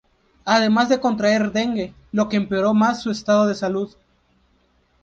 Además de contraer dengue, lo que empeoró más su estado de salud.